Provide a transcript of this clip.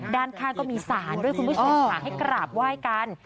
ด้านข้างก็มีสารด้วยคุณผู้ชมค่ะให้กราบไหว้กัน